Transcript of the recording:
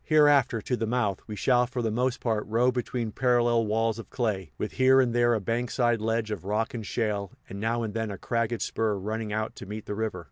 Hereafter, to the mouth, we shall for the most part row between parallel walls of clay, with here and there a bankside ledge of rock and shale, and now and then a cragged spur running out to meet the river.